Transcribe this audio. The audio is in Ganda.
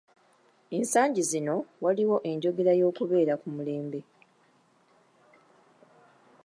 Ensangi zino waliwo enjogera y'okubeera ku mulembe.